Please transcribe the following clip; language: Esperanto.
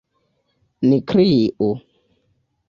Ni kriu!